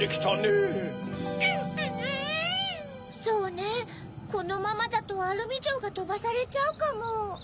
そうねこのままだとアルミじょうがとばされちゃうかも。